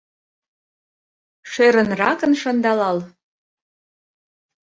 Шӧрынракын шындалал.